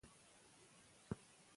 رڼا کافي او نرمه وساتئ.